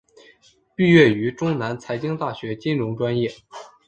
毕业于中南财经大学金融专业。